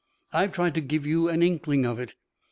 "I've tried to give you an inkling of it.